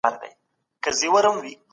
په کڅوڼي کي مي خپل نوي لاسکښونه ایښي وو.